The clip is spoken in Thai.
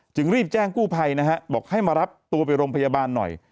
รีบแจ้งกู้ภัยนะฮะบอกให้มารับตัวไปโรงพยาบาลหน่อย